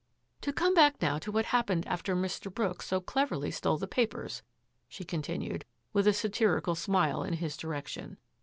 " To come back now to what happened after Mr. Brooks so cleverly stole the papers," she con tinued, with a satirical smile in his direction.